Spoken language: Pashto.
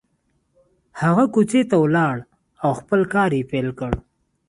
هغه کوڅې ته ولاړ او خپل کار يې پيل کړ.